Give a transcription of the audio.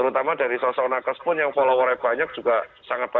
nggak ada curah mencapai penunjuk dari awal dia